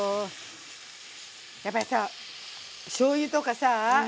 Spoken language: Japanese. やっぱりさしょうゆとかさ